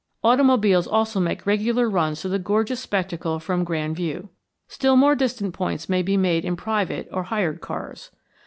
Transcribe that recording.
Automobiles also make regular runs to the gorgeous spectacle from Grand View. Still more distant points may be made in private or hired cars.